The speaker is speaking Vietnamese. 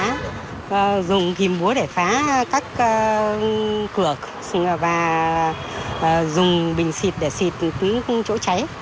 chúng tôi có thể phá dùng kìm búa để phá các cửa và dùng bình xịt để xịt chỗ cháy